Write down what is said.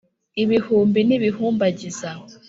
ibihumbi n’ibihumbagiza